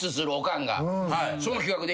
その企画で。